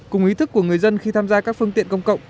cùng ý thức của người dân khi tham gia các phương tiện công cộng